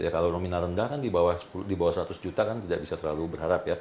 kalau nominal rendah kan di bawah seratus juta kan tidak bisa terlalu berharap ya